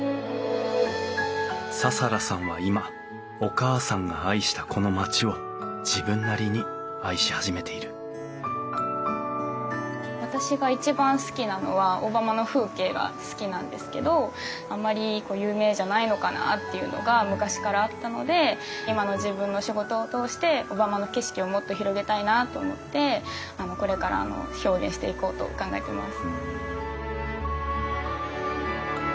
紗楽さんは今お母さんが愛したこの町を自分なりに愛し始めている私が一番好きなのは小浜の風景が好きなんですけどあんまり有名じゃないのかなというのが昔からあったので今の自分の仕事を通して小浜の景色をもっと広げたいなと思ってこれから表現していこうと考えてます。